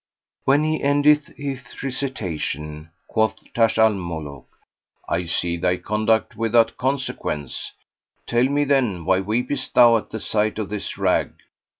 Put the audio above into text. When he ended his recitation, quoth Taj al Muluk, "I see thy conduct without consequence; tell me then why weepest thou at the sight of this rag!"